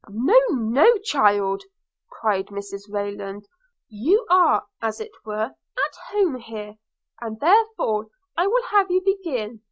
'No, no child!' cried Mrs Rayland; 'not at all – you are, as it were, at home here, and therefore I will have you begin.